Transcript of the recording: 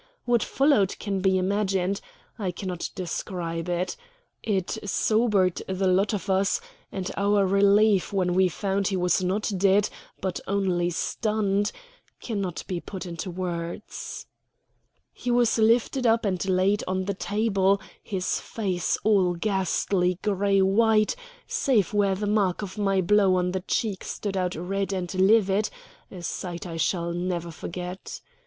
What followed can be imagined. I cannot describe it. It sobered the lot of us; and our relief when we found he was not dead, but only stunned, cannot be put in words. [Illustration: HE FLUNG HIS WINE RIGHT AT MY FACE] He was lifted up and laid on the table, his face all ghastly gray white, save where the mark of my blow on the cheek stood out red and livid a sight I shall never forget.